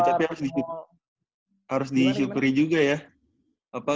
tapi harus di superi juga ya